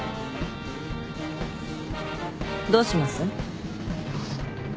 どうします？